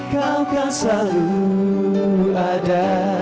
kau kan selalu ada